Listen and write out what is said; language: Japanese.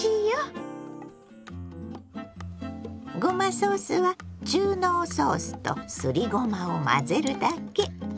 ごまソースは中濃ソースとすりごまを混ぜるだけ。